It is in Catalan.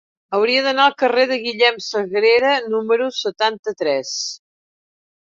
Hauria d'anar al carrer de Guillem Sagrera número setanta-tres.